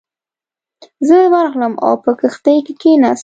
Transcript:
زه ورغلم او په کښتۍ کې کېناستم.